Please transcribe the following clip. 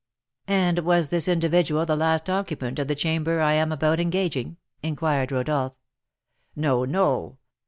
"And was this individual the last occupant of the chamber I am about engaging?" inquired Rodolph. "No, no!